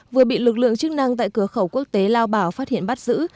vừa bị lực lượng chức năng tại cửa khẩu quốc tế lao bảo phát hiện bắt giữ